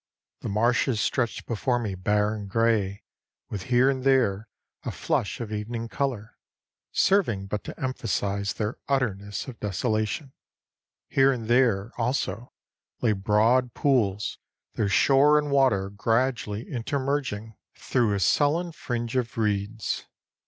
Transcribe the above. The marshes stretched before me bare and gray, with here and there a flush of evening color, serving but to emphasize their utterness of desolation. Here and there, also, lay broad pools, their shore and water gradually intermerging through a sullen fringe of reeds.